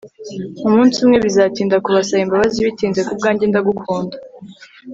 umunsi umwe bizatinda kubasaba imbabazi, bitinze kubwanjye ndagukunda